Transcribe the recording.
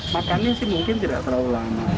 makannya sih mungkin tidak terlalu lama